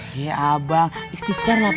dimana salahnya ini